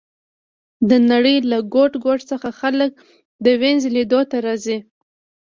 د نړۍ له ګوټ ګوټ څخه خلک د وینز لیدو ته راځي